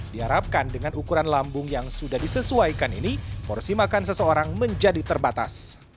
diharapkan dengan ukuran lambung yang sudah disesuaikan ini porsi makan seseorang menjadi terbatas